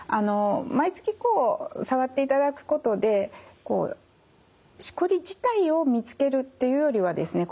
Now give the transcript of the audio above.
毎月こう触っていただくことでしこり自体を見つけるっていうよりはですね